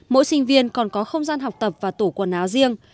mỗi sinh viên còn có không gian học tập và tủ quần áo riêng